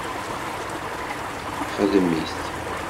Xdem-it